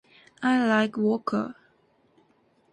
I like vodka